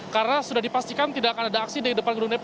karena sudah dipastikan tidak akan ada aksi dari depan gedung dpr